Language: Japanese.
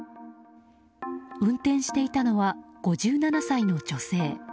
運転していたのは５７歳の女性。